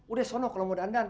udah seneng kalo mau dandan